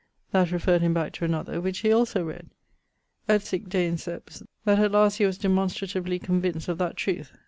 That referred him back to another, which he also read. Et sic deinceps, that at last he was demonstratively convinced of that trueth.